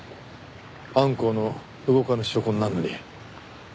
犯行の動かぬ証拠になるのに。